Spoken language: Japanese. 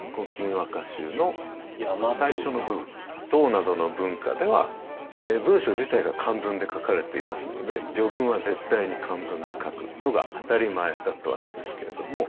唐などの文化では文書自体が漢文で書かれていますので序文は絶対に漢文で書くのが当たり前だったわけですけれども。